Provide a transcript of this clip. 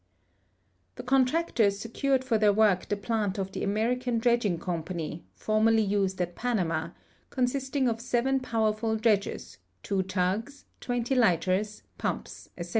The contractors secured for their work the plant of the Amer ican Dredging Comi)any, formerly used at Panama, consisting of seven ])owerful dredges, two tugs, twenty lighters, pumps, etc.